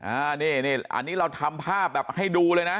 อันนี้อันนี้เราทำภาพแบบให้ดูเลยนะ